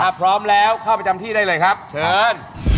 ถ้าพร้อมแล้วเข้าไปประจำที่ได้เลยครับเชิญ